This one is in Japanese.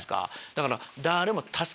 だから。